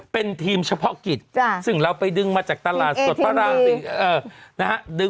เป็นทีมเฉพาะกิจซึ่งเราไปดึงมาจากตลาดสดพระรามนะฮะ